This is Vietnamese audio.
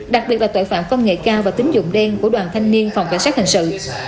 đặc biệt là tội phạm công nghệ cao và tính dụng đen của đoàn thanh niên phòng cảnh sát hình sự